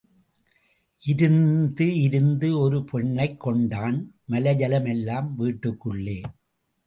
இருந்து இருந்து ஒரு பெண்ணைக் கொண்டான் மலஜலம் எல்லாம் வீட்டுக்குள்ளே.